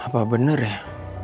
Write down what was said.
apa bener ya